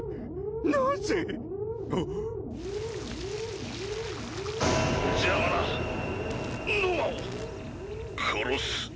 なぜ⁉邪魔なノアを殺す。